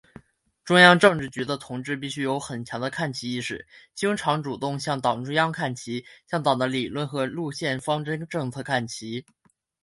中央政治局的同志必须有很强的看齐意识，经常、主动向党中央看齐，向党的理论和路线方针政策看齐。